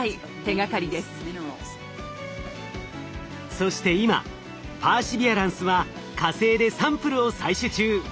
そして今パーシビアランスは火星でサンプルを採取中。